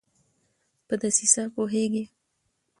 په دسیسه پوهیږي